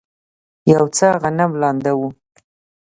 یو څه غنم لانده و.